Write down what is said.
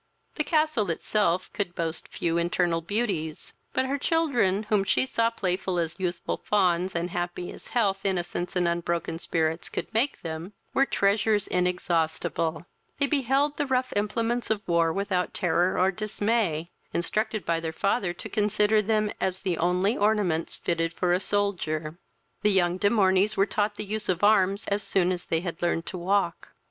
The castle itself could boast few internal beauties, but her children, whom she saw playful as youthful fawns, and happy as health, innocence, and unbroken spirits, could make them, were treasures inexhaustible: they beheld the rough implements of war without terror or dismay, instructed by their father to consider them as the only ornaments fitted for a soldier. The young De Morneys were taught the use of arms as soon as they had learned to walk.